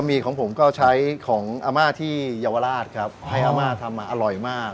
บะหมี่ของผมก็ใช้ของอามาราชที่เยาวาลาฬครับให้อามาราดทำมาอร่อยมาก